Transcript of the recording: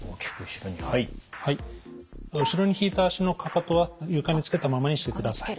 後ろに引いた足のかかとは床につけたままにしてください。